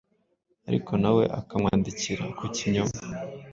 ariko na we akamwanikira ku kinyoma,